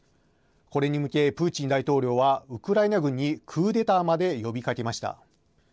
これに向け、プーチン大統領はウクライナ軍にクーデターまで呼びかけました。